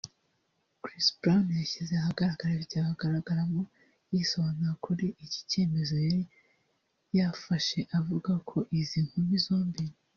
Chris Brown yashyize ahagaragara video agaragaramo yisobanura kuri iki cyemezo yari yafashe avuga ko izi nkumi zombi